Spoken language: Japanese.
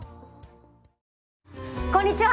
こんにちは。